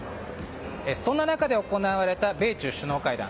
そんな中で行われた米中首脳会談。